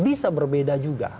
bisa berbeda juga